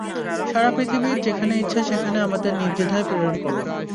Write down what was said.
সুতরাং পৃথিবীর যেখানে ইচ্ছা সেখানে আমাদের নির্দ্বিধায় প্রেরণ করুন।